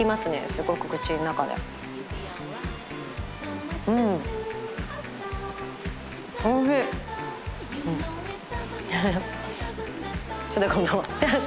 すごく口の中でうんおいしいうんちょっとチャース？